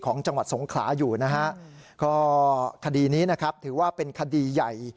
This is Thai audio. จังหวัดสงขลาอยู่นะฮะก็คดีนี้นะครับถือว่าเป็นคดีใหญ่